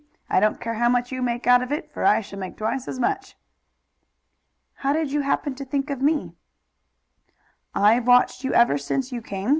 I don't care how much you make out of it, for I shall make twice as much." "How did you happen to think of me?" "I've watched you ever since you came.